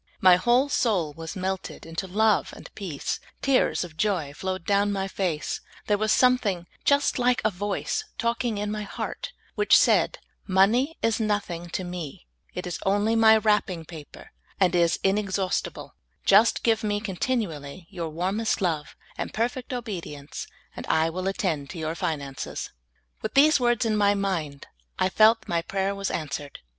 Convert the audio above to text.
My whole soul was melted into love and peace ; tears of joy flowed down my face ; there was something just like a voice talking in my heart, which said, " Monej is nothing to Me ; it is only My wTapping paper, and is inexhaust ible ; just give Me continually your warmest love and perfect obedience, and I will attend to 3'our finances." With these words in my mind, I felt that my pra3'er was answered.